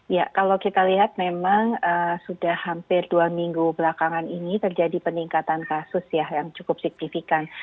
ya kalau kita lihat memang sudah hampir dua minggu belakangan ini terjadi peningkatan kasus ya yang cukup signifikan